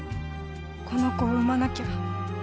この子を産まなきゃ。